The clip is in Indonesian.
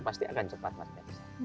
pasti akan cepat cepat